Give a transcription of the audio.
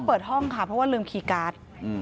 เปิดห้องค่ะเพราะว่าลืมคีย์การ์ด